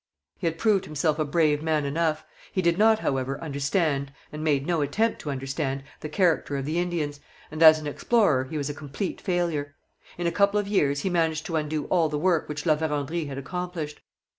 He had proved himself a brave man enough. He did not, however, understand, and made no attempt to understand, the character of the Indians, and, as an explorer, he was a complete failure. In a couple of years he managed to undo all the work which La Vérendrye had accomplished.